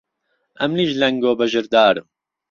ئهمنيش لهنگۆ بەژردارم